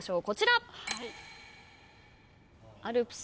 こちら。